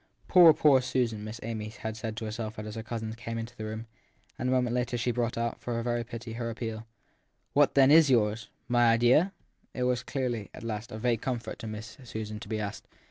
Poor, poor Susan ! Miss Amy had said to herself as her cousin came into the room ; and a moment later she brought out, for very pity, her appeal. < What then is yours ? My idea ? It was clearly, at last, a vague comfort to Miss Susan to be asked.